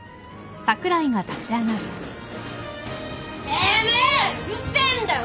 ・てめえうるせえんだよ！